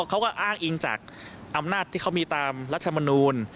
เขาก็อ้างอิงจากอำนาจที่เขามีตามรัฐมนูล